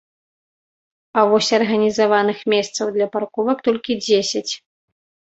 А вось арганізаваных месцаў для парковак толькі дзесяць.